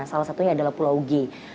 salah satunya adalah pulau g